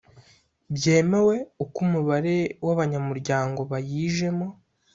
byemewe uko umubare w abanyamuryango bayijemo